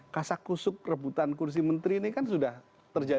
kasakusuk rebutan kursi menteri ini kan sudah terjadi